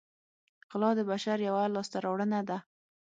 غلا د بشر یوه لاسته راوړنه ده